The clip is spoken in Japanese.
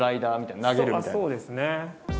そうですね。